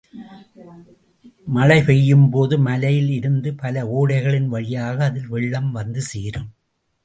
மழை பெய்யும்போது மலையில் இருந்து பல ஓடைகளின் வழியாக அதில் வெள்ளம் வந்து சேரும்.